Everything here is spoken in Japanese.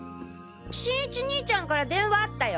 新一兄ちゃんから電話あったよ。